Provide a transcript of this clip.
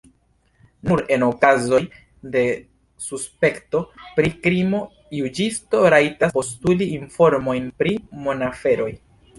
Nur en okazoj de suspekto pri krimo juĝisto rajtas postuli informojn pri monaferoj.